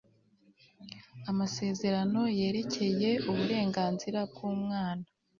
amasezerano yerekeye uburenganzira bw'umwana